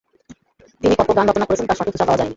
তিনি কত গান রচনা করেছেন তার সঠিক হিসাব পাওয়া যায়নি।